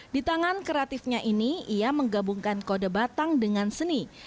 di tangan kreatifnya ini ia menggabungkan kode batang dengan seni